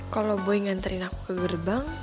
kalau lo boy nganterin aku ke gerbang